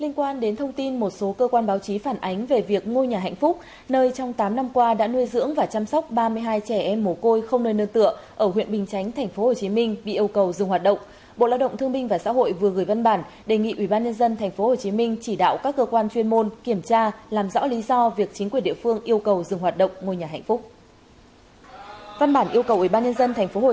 hãy đăng ký kênh để ủng hộ kênh của chúng mình nhé